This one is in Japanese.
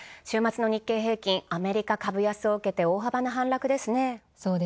週末の日経平均株価、アメリカ株安をうけて大幅な反落ですね。